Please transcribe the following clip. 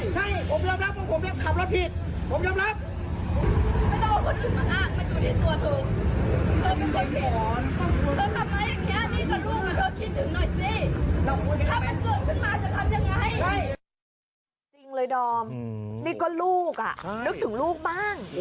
จริงเลยดอมนี่ก็ลูกนึกถึงลูกบ้าง